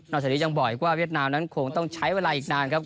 จากนี้ยังบอกอีกว่าเวียดนามนั้นคงต้องใช้เวลาอีกนานครับ